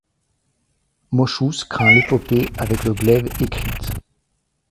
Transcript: Moschus craint l'épopée avec le glaive écrite